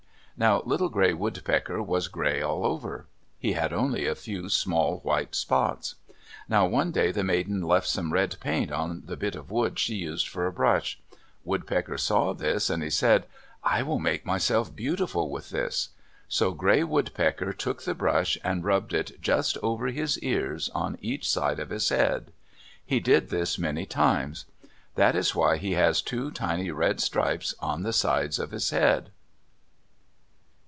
Now Little Gray Woodpecker was gray all over. He had only a few small white spots. Now one day the maiden left some red paint on the bit of wood she used for a brush. Woodpecker saw this, and he said, "I will make myself beautiful with this." So Gray Woodpecker took the brush and rubbed it just over his ears, on each side of his head. He did this many times. That is why he has two tiny red stripes on the sides of his head.